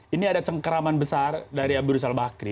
ini ada cengkeraman besar dari abu rizal bakri